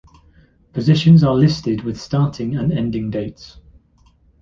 Positions are listed with starting and ending dates.